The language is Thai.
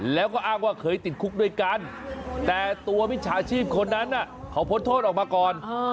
แล้วก็อ้างว่าเคยติดคุกด้วยกันแต่ตัวมิจฉาชีพคนนั้นเขาพ้นโทษออกมาก่อน